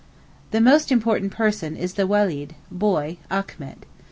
The most important person is the 'weled'—boy—Achmet.